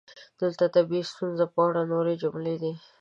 دلته د طبیعي ستونزو په اړه نورې جملې دي: